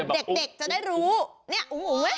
เด็กจะได้รู้เนี่ยอุ๋งไหม